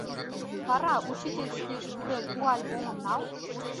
Вара, учительскийыш пурен, у альбомым нал.